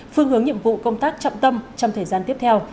phương hướng nhiệm vụ công tác trọng tâm trong thời gian tiếp theo